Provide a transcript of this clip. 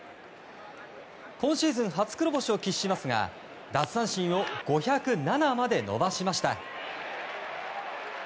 今シーズン初黒星を喫しますが奪三振を５０７まで伸ばしました。